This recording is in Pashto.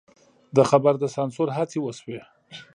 د خبر د سانسور هڅې وشوې.